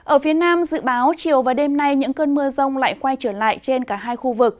ở phía nam dự báo chiều và đêm nay những cơn mưa rông lại quay trở lại trên cả hai khu vực